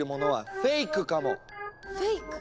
フェイク？